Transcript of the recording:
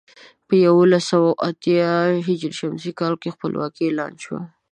په یولس سوه اتيا ه ش کال کې خپلواکي اعلان شوه.